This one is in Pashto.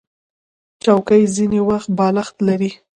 چوکۍ ځینې وخت بالښت لري.